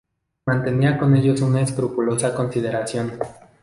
Mantenía con ellos una escrupulosa consideración.